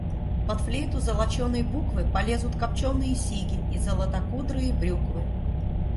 Под флейту золоченой буквы полезут копченые сиги и золотокудрые брюквы.